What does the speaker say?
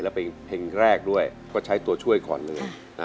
แล้วเป็นเพลงแรกด้วยก็ใช้ตัวช่วยก่อนเลย